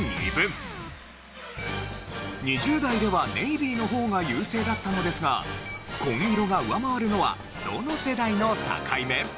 ２０代ではネイビーの方が優勢だったのですが紺色が上回るのはどの世代の境目？